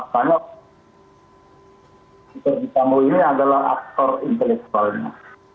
ferdi sambu ini adalah aktor intelektualnya